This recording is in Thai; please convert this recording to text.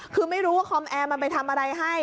คือไม่รู้ว่าคอมแอร์มันไปทำอะไรให้